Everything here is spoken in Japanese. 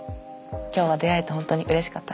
今日は出会えて本当にうれしかったです。